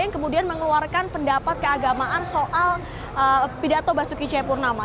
yang kemudian mengeluarkan pendapat keagamaan soal pidato basuki cepurnama